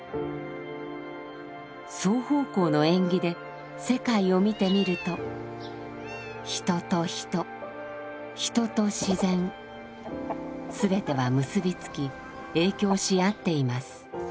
「双方向の縁起」で世界を見てみると人と人人と自然すべては結び付き影響し合っています。